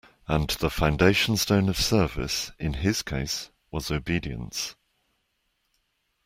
And the foundation stone of service, in his case, was obedience.